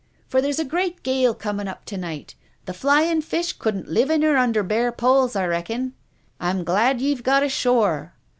" For there's a great gale comin' up to night. The ' Flying Fish ' couldn't live in her under bare poles, I reckon. I'm glad ye've got ashore.